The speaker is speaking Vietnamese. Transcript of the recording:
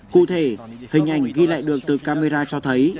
cụ thể hình ảnh ghi lại được từ camera cho thấy